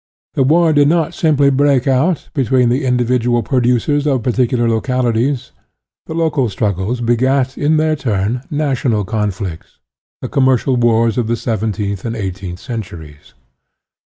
The war did not simply break out between the individual producers of particular localities. The local struggles begat in their turn na tional conflicts, the commercial wars of the seventeenth and the eighteenth centuries.